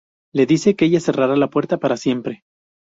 Le dice que ella cerrará la puerta para siempre.